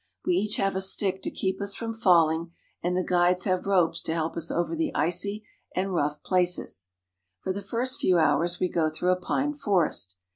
We each have a stick to keep us from falling, and the guides have ropes to help us over the icy and rough places. For the first few hours we go through a pine forest.